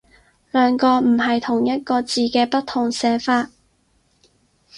兩個唔係同一個字嘅不同寫法